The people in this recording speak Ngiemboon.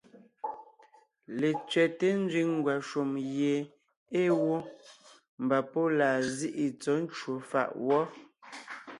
Letsẅɛ́te nzẅìŋ ngwàshùm gie ée wó, mbà pɔ́ laa zíʼi tsɔ̌ ncwò fàʼ wɔ́.